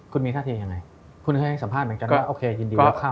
คุณมีท่าทียังไงคุณเคยให้สัมภาษณ์เหมือนกันว่าโอเคยินดีรับเข้า